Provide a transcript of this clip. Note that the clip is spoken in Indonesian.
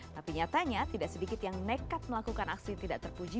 tapi nyatanya tidak sedikit yang nekat melakukan aksi tidak terpuji